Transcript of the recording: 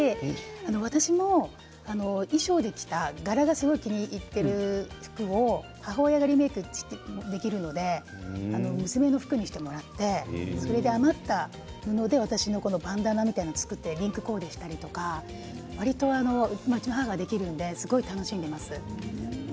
私も衣装で着た柄がすごい気に入っている服を母親がリメークできるので娘の服にしてもらってそれで余った布で私のバンダナみたいなのを作ってリンクコーデしたりとかわりと、うちの母ができるのですごい楽しんでます。